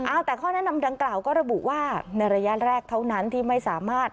เอาแต่ข้อแนะนำดังกล่าวก็ระบุว่าในระยะแรกเท่านั้นที่ไม่สามารถ